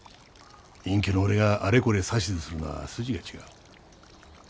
隠居の俺があれこれ指図するのは筋が違う。